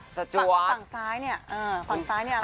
ฝั่งซ้ายเนี่ยฝั่งซ้ายเนี่ยอะไร